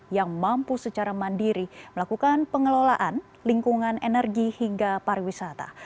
yang mampu secara mandiri melakukan pengelolaan lingkungan energi hingga pariwisata